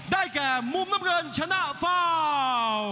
ได้แก่มุมน้ำเงินชนะเฝ้า